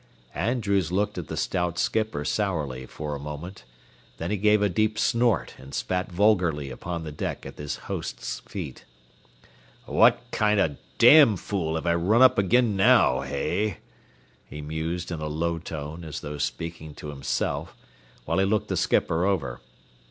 Andrews looked at the stout skipper sourly for a moment. Then he gave a deep snort and spat vulgarly upon the deck at his host's feet. "What kind o' damn fool have I run up ag'in now, hey?" he mused in a low tone, as though speaking to himself, while he looked the skipper over.